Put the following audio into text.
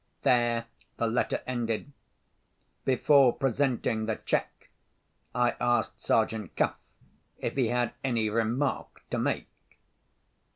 There the letter ended. Before presenting the cheque, I asked Sergeant Cuff if he had any remark to make.